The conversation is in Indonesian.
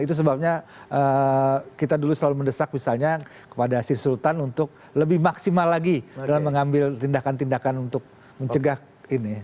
itu sebabnya kita dulu selalu mendesak misalnya kepada si sultan untuk lebih maksimal lagi dalam mengambil tindakan tindakan untuk mencegah ini